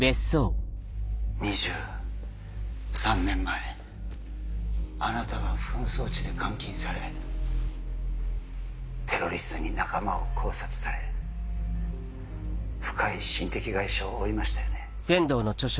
２３年前あなたは紛争地で監禁されテロリストに仲間を絞殺され深い心的外傷を負いましたよね。